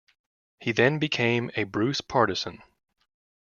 He then became a Bruce partisan.